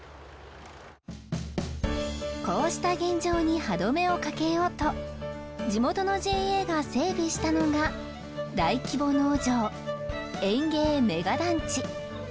こうした現状に歯止めをかけようと地元のＪＡが整備したのが大規模農場園芸メガ団地。